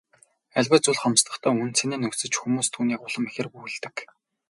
Аливаа зүйл хомсдохдоо үнэ цэн нь өсөж хүмүүс түүнийг улам ихээр үгүйлдэг.